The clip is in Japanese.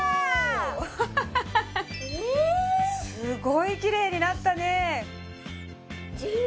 すごいきれいになったね。